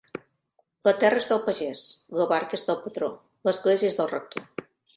La terra és del pagès, la barca és del patró, l'església és del rector.